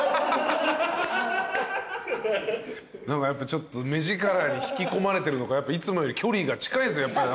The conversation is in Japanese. ちょっと目力に引き込まれてるのかいつもより距離が近いですよ。